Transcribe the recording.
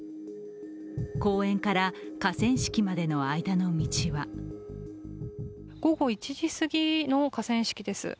公園から河川敷までの間の道は午後１時過ぎの河川敷です。